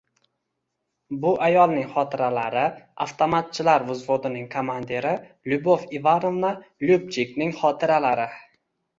Bu ayolning xotiralari, avtomatchilar vzvodining komandiri Lyubov Ivanovna Lyubchikning xotiralari